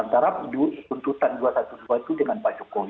antara tuntutan dua ratus dua belas itu dengan pak jokowi